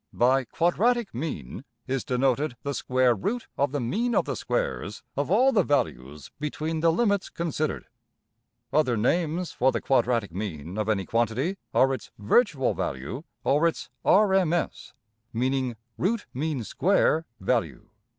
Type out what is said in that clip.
By ``quadratic mean'' is denoted the square root of the mean of the squares of all the values between the limits considered. Other names for the quadratic mean of any quantity are its ``virtual'' value, or its ``\textsc{r.m.s.}''\ (meaning root mean square) value.